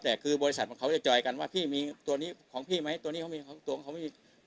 แต่คือบริษัทของเขาจะจอยกันว่าพี่มีตัวนี้ของพี่ไหมตัวนี้เขามีตัวของเขาไม่มี